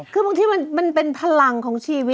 คือบางทีมันเป็นพลังของชีวิต